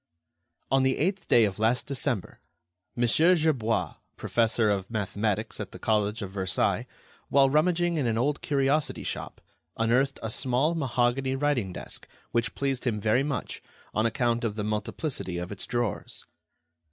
On the eighth day of last December, Mon. Gerbois, professor of mathematics at the College of Versailles, while rummaging in an old curiosity shop, unearthed a small mahogany writing desk which pleased him very much on account of the multiplicity of its drawers.